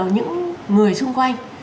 những người xung quanh